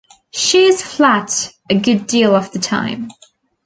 She is flat a good deal of the time.